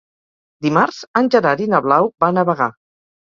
Dimarts en Gerard i na Blau van a Bagà.